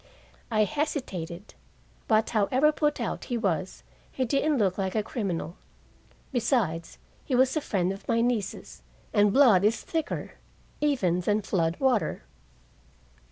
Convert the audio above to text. I hesitated, but however put out he was, he didn't look like a criminal. Besides, he was a friend of my niece's, and blood is thicker even than flood water.